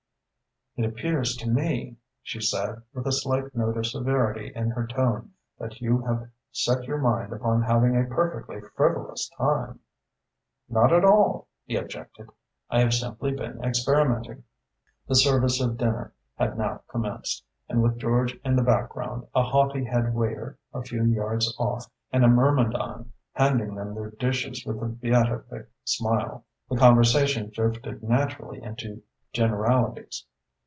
"It appears to me," she said, with a slight note of severity in her tone, "that you have set your mind upon having a perfectly frivolous time." "Not at all," he objected. "I have simply been experimenting." The service of dinner had now commenced, and with George in the background, a haughty head waiter a few yards off, and a myrmidon handing them their dishes with a beatific smile, the conversation drifted naturally into generalities.